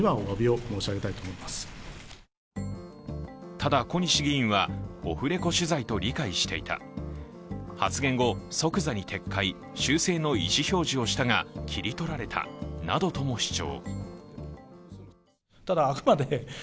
ただ、小西議員はオフレコ取材と理解していた、発言後、即座に撤回、修正の意思表示をしたが切り取られたなどとも主張。